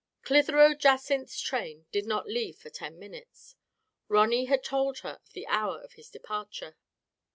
Clitheroe Jacynth's train did not leave for ten minutes. Ronny had told her of the hour of his departure.